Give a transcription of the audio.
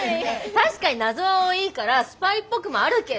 確かに謎は多いからスパイっぽくもあるけど。